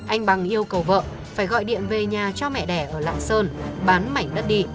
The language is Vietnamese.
anh bằng yêu cầu vợ phải gọi điện về nhà cho mẹ đẻ ở lạng sơn bán mảnh đất đi